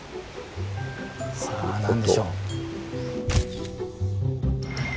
さあ何でしょう。